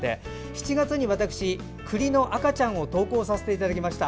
７月に私、くりの赤ちゃんを投稿させていただきました。